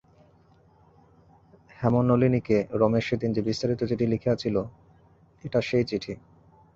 হেমনলিনীকে রমেশ সেদিন যে বিস্তারিত চিঠি লিখিয়াছিল এটা সেই চিঠি।